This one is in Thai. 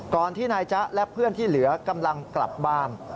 ที่นายจ๊ะและเพื่อนที่เหลือกำลังกลับบ้าน